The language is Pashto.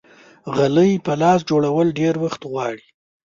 غلۍ په لاسو جوړول ډېر وخت غواړي.